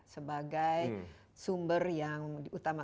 sebagai sumber yang utama